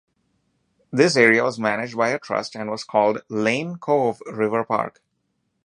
This area was managed by a trust and was called Lane Cove River Park.